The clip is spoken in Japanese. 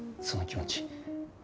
その気持ち。